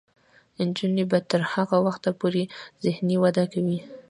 نجونې به تر هغه وخته پورې ذهني وده کوي.